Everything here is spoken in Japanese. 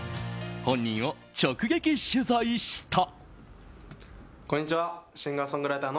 本人を直撃取材した。